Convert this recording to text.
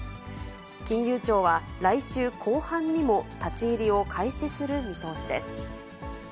金融庁は来週後半にも立ち入りを開始する見通しです。